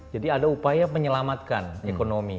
jadi ada upaya menyelamatkan ekonomi